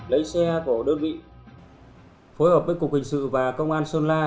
lấy xe của đơn vị phối hợp với cục hình sự và công an sơn la